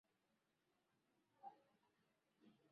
linalosaidia sana kazi ya kiroho katika Ukristo Wako huru kuliko